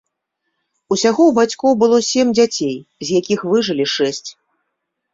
Усяго ў бацькоў было сем дзяцей, з якіх выжылі шэсць.